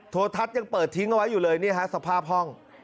โทษทัศน์ยังเปิดทิ้งเอาไว้อยู่เลยนี่ฮะสภาพห้อง